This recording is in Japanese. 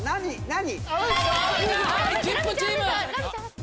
何？